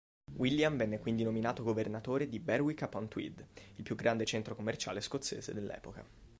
William venne quindi nominato Governatore di Berwick-upon-Tweed il più grande centro commerciale scozzese dell'epoca.